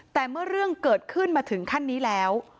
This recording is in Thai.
แต่เมื่อเรื่องเกิดขึ้นมาถึงขั้นนี้แล้ว